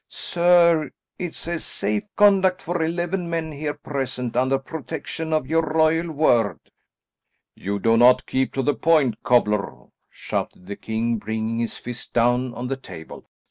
"Sir, it says safe conduct for eleven men here present, under protection of your royal word." "You do not keep to the point, cobbler," shouted the king bringing his fist down on the table.